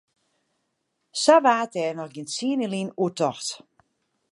Sa waard dêr noch gjin tsien jier lyn oer tocht.